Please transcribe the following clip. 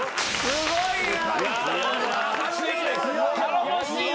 すごいな。